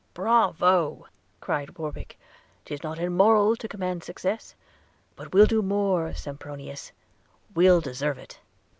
'Bravo!' cried Warwick – "Tis not in mortals to command success; But we'll do more, Sempronius – we'll deserve it.'